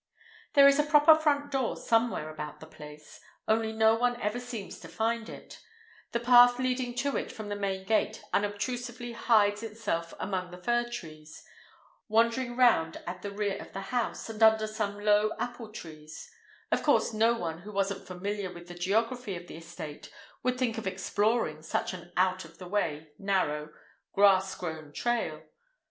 There is a proper front door somewhere about the place, only no one ever seems to find it; the path leading to it from the main gate unobtrusively hides itself among the fir trees, wandering round at the rear of the house, and under some low apple trees—of course, no one who wasn't familiar with the geography of the estate would think of exploring such an out of the way, narrow, grass grown trail.